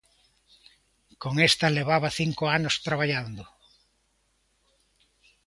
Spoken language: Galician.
Con esta levaba cinco anos traballando.